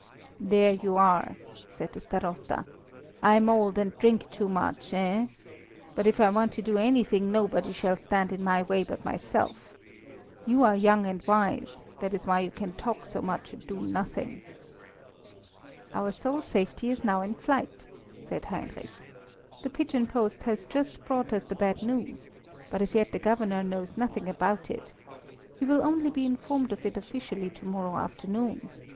_" "There you are," said the Starosta. "I'm old, and drink too much, eh? But if I want to do anything, nobody shall stand in my way but myself. You are young and wise; that is why you can talk so much and do nothing." "Our sole safety is now in flight," said Heinrich. "The pigeon post has just brought us the bad news, but as yet the Governor knows nothing about it. He will only be informed of it officially to morrow afternoon.